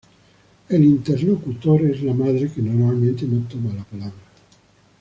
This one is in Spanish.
El interlocutor es la madre, que normalmente no toma la palabra.